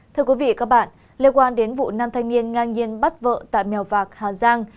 thưa quý vị các bạn liên quan đến vụ nam thanh niên ngang nhiên bắt vợ tại mèo vạc hà giang